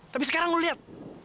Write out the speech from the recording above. tapi sekarang lu lihat